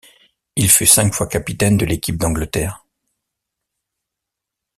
Il fut cinq fois capitaine de l'équipe d'Angleterre.